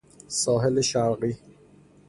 ساحل شرقی